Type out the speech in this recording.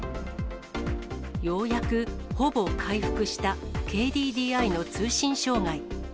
ようやくほぼ回復したＫＤＤＩの通信障害。